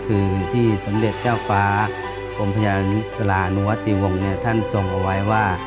คือที่สมเด็จเจ้าฟ้ากรมพญาสลานุวติวงศ์เนี่ยท่านทรงเอาไว้ว่า